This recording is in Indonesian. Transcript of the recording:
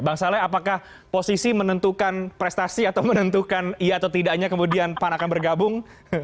bang saleh apakah posisi menentukan prestasi atau menentukan iya atau tidaknya kemudian pan akan bergabung